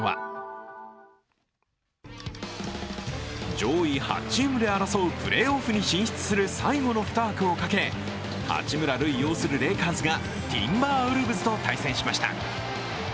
上位８チームで争うプレーオフに進出する２枠をかけ、八村塁擁するレイカーズがティンバーウルブズと対戦しました。